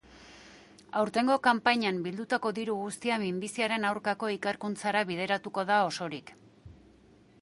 Aurtengo kanpainan bildutako diru guztia minbiziaren aurkako ikerkuntzara bideratuko da osorik.